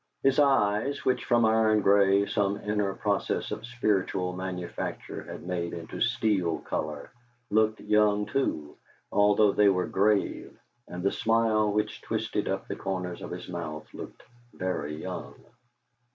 His eyes, which from iron grey some inner process of spiritual manufacture had made into steel colour, looked young too, although they were grave; and the smile which twisted up the corners of his mouth looked very young.